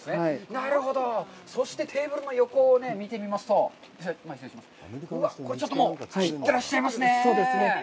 なるほど、そしてテーブルの横を見てみますと、これ、ちょっともう、切っていらっしゃいますね。